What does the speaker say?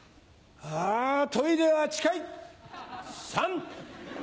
あトイレが近い。